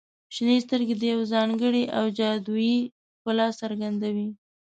• شنې سترګې د یو ځانګړي او جادويي ښکلا څرګندوي.